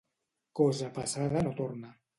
Cosa passada no torna.